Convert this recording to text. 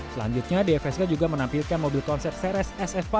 selanjutnya dfsk juga menampilkan mobil concept crs sf lima